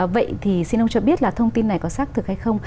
vậy thì xin ông cho biết là thông tin này có xác thực hay không